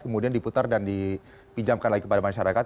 kemudian diputar dan dipinjamkan lagi kepada masyarakat